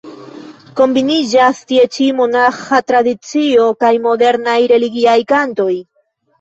Kombiniĝas tie ĉi monaĥa tradicio kaj modernaj religiaj kantoj.